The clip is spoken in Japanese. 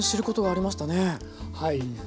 はい。